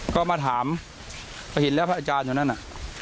ก็มาถามพอเห็นแล้วพระอาจารย์อยู่นั่นน่ะ